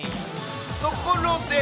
ところで！